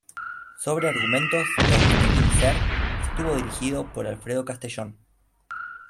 Sobre argumentos de Agustín Isern, estuvo dirigida por Alfredo Castellón.